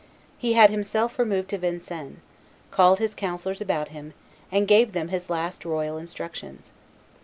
He had himself removed to Vincennes, called his councillors about him, and gave them his last royal instructions.